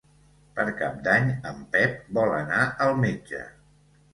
Per Cap d'Any en Pep vol anar al metge.